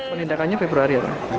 penindakannya februari ya pak